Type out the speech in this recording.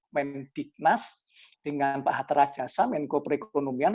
men dignas dengan pak hatta rajasa menko perekonomian